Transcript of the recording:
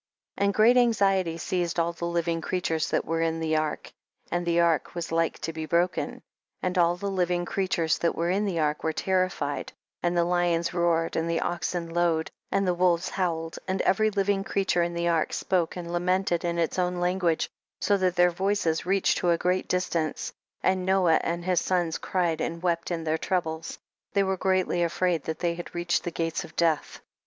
29. And great anxiety seized all tlie living creatures that were in the ark, and the ark was like to be broken. 30. And all the living creatures that were in the ark were terrified, and the lions roared, and the oxen lowed, and the wolves howled, and every living creature in the ark spoke and lamented in its own lan guage, so that their voices reached to a great distance, and Noah and his sons cried and wept in their troubles; they were greatly afraid that they had reached the gates of death.